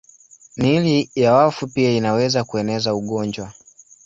Miili ya wafu pia inaweza kueneza ugonjwa.